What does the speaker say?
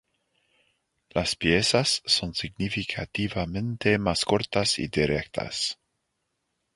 Las piezas son significativamente más cortas y directas.